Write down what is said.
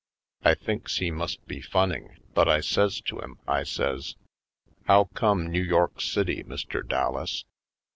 I thinks he must be fun ning. But I says to him, I says: "How come New York City, Mr. Dallas?"